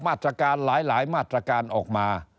มาตรการหลายมาตรการออกมา